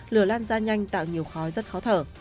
lửa lan ra nhanh tạo nhiều khói rất khó thở